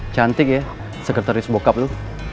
cantik ya sekretaris bokap tuh